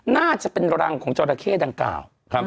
น่าจะเป็นรังของจอราเข้ดังกล่าว